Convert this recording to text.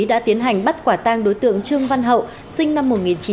đã tiến hành bắt quả tang đối tượng trương văn hậu sinh năm một nghìn chín trăm tám mươi